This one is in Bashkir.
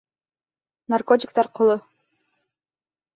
Наркотиктар ҡоло.